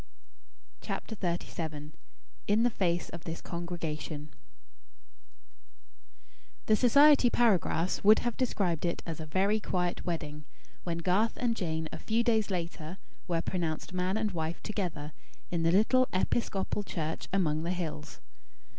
CHAPTER XXXVII "IN THE FACE OF THIS CONGREGATION" The society paragraphs would have described it as "a very quiet wedding," when Garth and Jane, a few days later, were pronounced "man and wife together," in the little Episcopal church among the hills.